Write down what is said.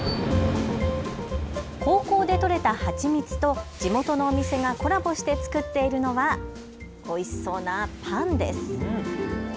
高校で採れた蜂蜜と地元のお店がコラボして作っているのはおいしそうなパンです。